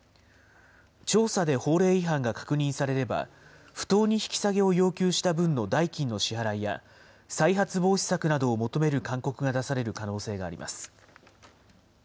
調査で法令違反が確認されれば、不当に引き下げを要求した分の代金の支払いや、再発防止策などを求める勧告が出される可能性があります。